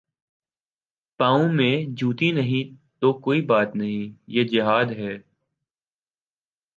پاؤں میں جوتی نہیں تو کوئی بات نہیں یہ جہاد ہے۔